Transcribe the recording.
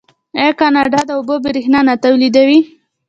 آیا کاناډا د اوبو بریښنا نه تولیدوي؟